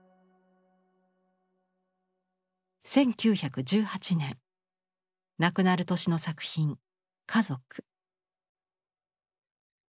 １９１８年亡くなる年の作品「家族」。